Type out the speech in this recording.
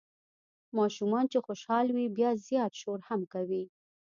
ماشومان چې خوشال وي بیا زیات شور هم کوي.